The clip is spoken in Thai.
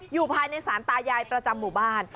อยู่ภายในสารตายายประจำหมู่บ้าน